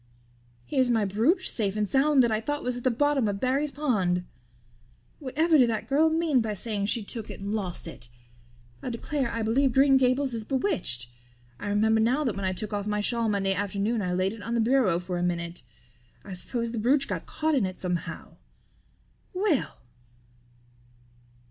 Here's my brooch safe and sound that I thought was at the bottom of Barry's pond. Whatever did that girl mean by saying she took it and lost it? I declare I believe Green Gables is bewitched. I remember now that when I took off my shawl Monday afternoon I laid it on the bureau for a minute. I suppose the brooch got caught in it somehow. Well!"